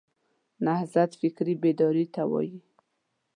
نهضت فکري بیداري ته وایي.